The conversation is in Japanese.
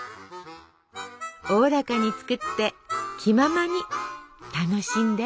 おおらかに作って気ままに楽しんで。